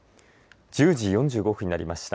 １０時４５分になりました。